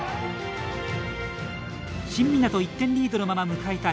新湊１点リードのまま迎えた